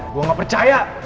gue gak percaya